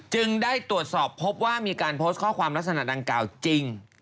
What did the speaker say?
จึงได้ตรวจสอบพบว่ามีการโพสต์ข้อความลักษณะดังกล่าวจริง